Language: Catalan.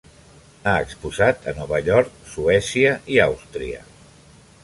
Ha exposat a Nova York, Suècia, i Àustria.